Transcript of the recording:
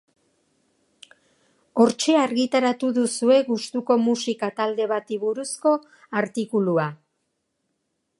Hortxe argitaratu duzue gustuko musika talde bati buruzko artikulua.